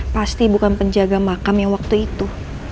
pasti bukan penjaga makam yang waktu itu